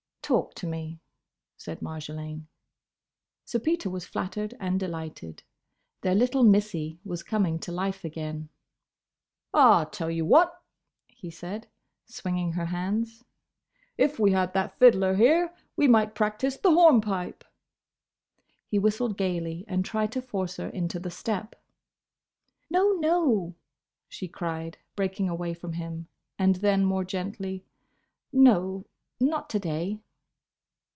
"Talk to me," said Marjolaine. Sir Peter was flattered and delighted. Their little Missie was coming to life again. "Ah!—tell ye what," he said, swinging her hands, "If we had that fiddler here, we might practise the hornpipe!" He whistled gaily and tried to force her into the step. "No, no!" she cried, breaking away from him; and then, more gently, "No: not to day!"